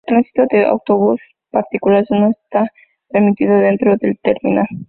El tránsito de autos particulares no está permitido dentro del terminal.